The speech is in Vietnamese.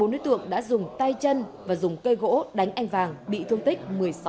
bốn đối tượng đã dùng tay chân và dùng cây gỗ đánh anh vàng bị thương tích một mươi sáu